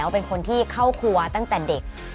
เป็นคนที่เข้าครัวตั้งแต่เด็ก